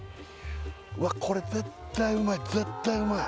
うわっこれ絶対うまい